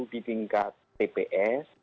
di tingkat tps